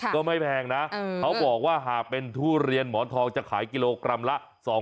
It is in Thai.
ก็ไม่แพงนะเขาบอกว่าหากเป็นทุเรียนหมอนทองจะขายกิโลกรัมละ๒๐๐